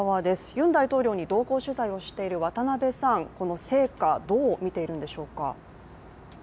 ユン大統領に同行取材をしている渡辺さん、この成果どう見ているのでしょうか。